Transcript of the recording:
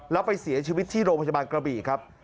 แล้วไปเสียชีวิตที่โรงพยาบาลกระบี่ครับ